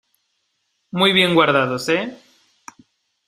muy bien guardados, ¿ eh?